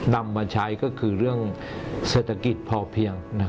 นำมาใช้ก็คือเรื่องเศรษฐกิจพอเพียง